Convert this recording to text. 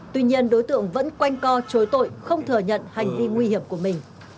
tuy nhiên đối tượng vẫn quanh co chối tội không thừa nhận hành vi nguy hiểm của mình